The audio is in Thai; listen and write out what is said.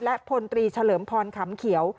และพลตรีเฉลิมพรขำเขียว